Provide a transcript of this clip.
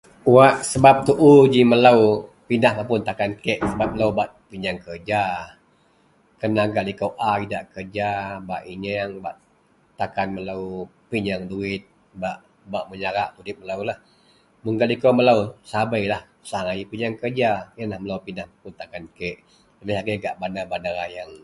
wak sebab tuu ji melou pindah mapun takan kek.. sebab melou bak piyeang kerja, kerna gak liko a idak kerja bak iyeang bak takan melou piyeang duwit bak-bak meyarak udip meloulah, mun gak liko melou sabeilah susah agai ji piyeang kerja, ienlah melou pindah mapun takan kek lebih agei gak bandar-bandar ayeang